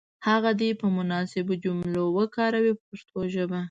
هغه دې په مناسبو جملو کې وکاروي په پښتو ژبه.